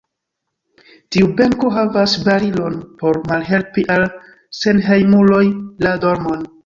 Tiu benko havas barilon por malhelpi al senhejmuloj la dormon.